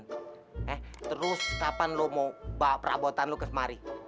eh terus kapan lo mau bawa perabotan lo ke semari